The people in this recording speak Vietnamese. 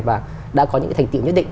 và đã có những cái thành tiệu nhất định